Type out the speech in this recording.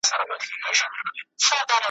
چې خپله حافظه له لاسه ورکړي